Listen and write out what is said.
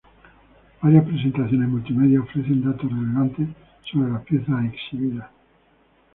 Varias presentaciones multimedia ofrecen datos relevantes sobre las piezas exhibidas.